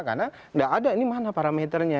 karena tidak ada ini mana parameternya